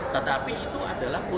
tetapi itu adalah putus